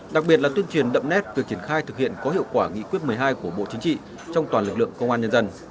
đặc biệt là tuyên truyền đậm nét việc triển khai thực hiện có hiệu quả nghị quyết một mươi hai của bộ chính trị trong toàn lực lượng công an nhân dân